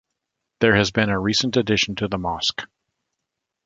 There has been a recent addition to the mosque.